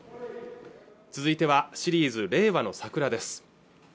続いてはシリーズ「令和のサクラ」です